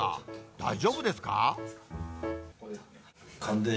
大丈夫です。